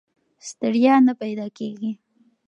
ستړیا نه پیدا کېږي.